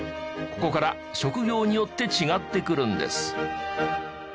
ここから職業によって違ってくるんです。